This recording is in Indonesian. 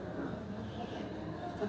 sampai sini usul banget